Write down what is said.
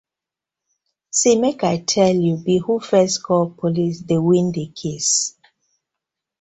See mek I tell you be who first call Police dey win the case,